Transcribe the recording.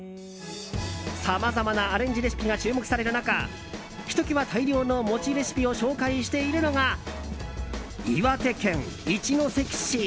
さまざまなアレンジレシピが注目される中ひときわ大量の餅レシピを紹介しているのが岩手県一関市。